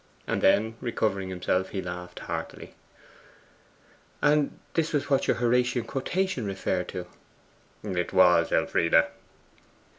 And then recovering himself he laughed heartily. 'And was this what your Horatian quotation referred to?' 'It was, Elfride.